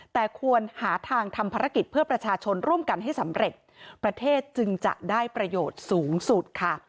แต่ควรหาทางทำภารกิจเพื่อประชาชนร่วมกันให้สำเร็จประเทศจึงจะได้ประโยชน์สูงสุดค่ะ